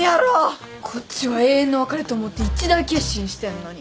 こっちは永遠の別れと思って一大決心してんのに。